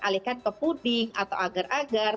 alihkan ke puding atau agar agar